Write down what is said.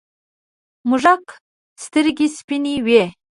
موږک سترگې سپینې وې.